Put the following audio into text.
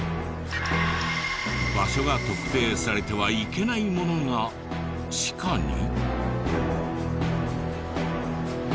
場所が特定されてはいけないものが地下に？